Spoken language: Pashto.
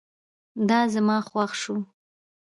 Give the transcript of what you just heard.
دا زما خوښ شو